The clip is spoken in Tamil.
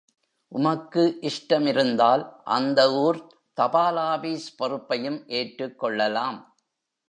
உமக்கு இஷ்டமிருந்தால், அந்த ஊர்த் தபாலாபீஸ் பொறுப்பையும் ஏற்றுக்கொள்ளலாம்.